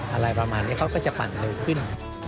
อะไรประมาณนี้เขาก็จะปั่นเร็วขึ้น